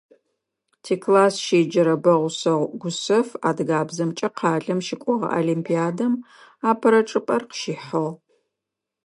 Тикласс щеджэрэ Бэгъушъэ Гушъэф адыгабзэмкӀэ къалэм щыкӀогъэ олимпиадэм апэрэ чӀыпӀэр къыщихьыгъ.